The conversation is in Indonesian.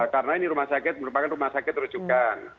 karena ini rumah sakit merupakan rumah sakit rujukan